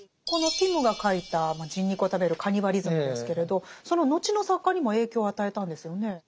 このピムが書いた人肉を食べるカニバリズムですけれどその後の作家にも影響を与えたんですよね？